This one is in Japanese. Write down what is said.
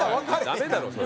ダメだろそれ。